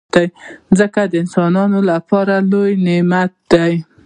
مځکه د انسانانو لپاره لوی نعمت دی.